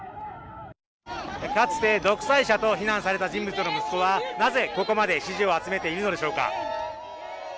かつて独裁者と非難された人物の息子がなぜ、ここまで支持を集めているのでしょうか。